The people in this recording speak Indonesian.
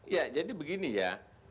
ya jadi begini ya